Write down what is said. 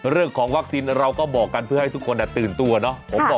เรื่องของวัคซีนเราก็บอกกันเพื่อให้ทุกคนตื่นตัวเนาะ